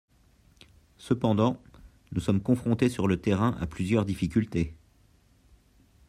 Cependant, nous sommes confrontés sur le terrain à plusieurs difficultés.